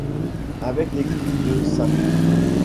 Avec l'équipe de St.